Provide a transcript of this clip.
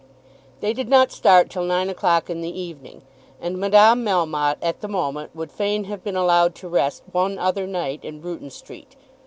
They did not start till nine o'clock in the evening, and Madame Melmotte at the moment would fain have been allowed to rest one other night in Bruton Street.